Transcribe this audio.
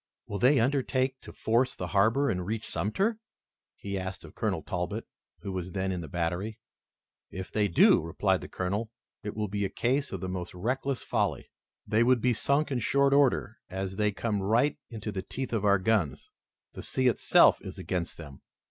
"Will they undertake to force the harbor and reach Sumter?" he asked of Colonel Talbot, who was then in the battery. "If they do," replied the Colonel, "it will be a case of the most reckless folly. They would be sunk in short order, as they come right into the teeth of our guns. The sea itself, is against them.